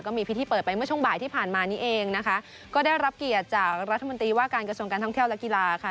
มีพิธีเปิดไปเมื่อช่วงบ่ายที่ผ่านมานี้เองนะคะก็ได้รับเกียรติจากรัฐมนตรีว่าการกระทรวงการท่องเที่ยวและกีฬาค่ะ